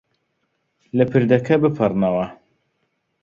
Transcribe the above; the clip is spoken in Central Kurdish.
لە پردەکە بپەڕنەوە.